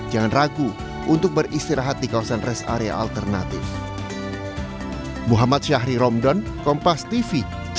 jangan ragu untuk beristirahat di kawasan rest area alternatif